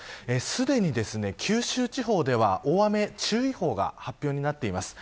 すでに九州地方では大雨注意報が発表になっています。